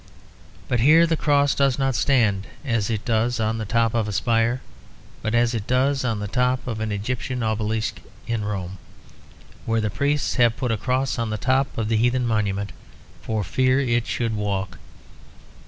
But here the cross does not stand as it does on the top of a spire; but as it does on the top of an Egyptian obelisk in Rome, where the priests have put a cross on the top of the heathen monument; for fear it should walk.